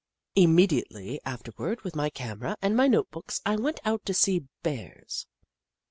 Immediately afterward, with my camera and my note books, I went out to see Bears.